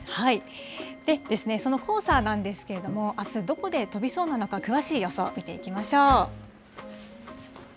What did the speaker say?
その黄砂なんですけれども、あす、どこで飛びそうなのか、詳しい予想見ていきましょう。